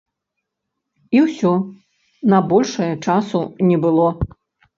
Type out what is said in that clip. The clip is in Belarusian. І ўсё, на большае часу не было.